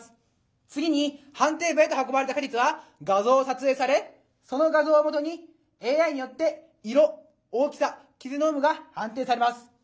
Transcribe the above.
次に判定部へと運ばれた果実は画像を撮影されその画像をもとにＡＩによって色大きさ傷の有無が判定されます。